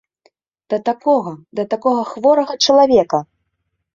Да такога, да такога хворага чалавека!